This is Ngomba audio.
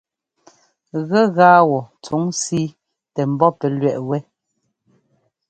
Gɛgaa wɔ tsuŋ síi tɛ ḿbɔ́ pɛ́ lẅɛꞌ wɛ́.